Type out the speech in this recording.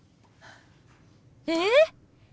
えっ！？